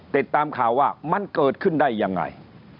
ติดตามข่าวว่ามันเกิดขึ้นได้ยังไง